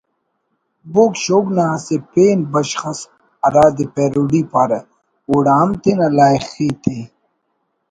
بوگ شوگ نا اسہ پین بشخ اس ہرادے پیروڈی پارہ اوڑا ہم تینا لائخی تے